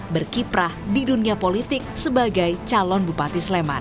berkiprah di dunia politik sebagai calon bupati sleman